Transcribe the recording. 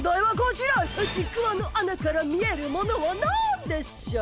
ちくわのあなからみえるものはなんでしょう？